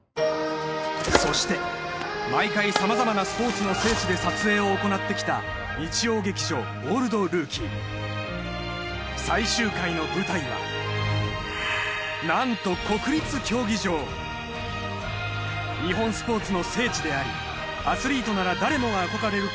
そして毎回様々なスポーツの聖地で撮影を行ってきた日曜劇場「オールドルーキー」最終回の舞台は何と日本スポーツの聖地でありアスリートなら誰もが憧れる